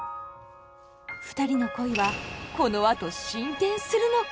ふたりの恋はこのあと進展するのか。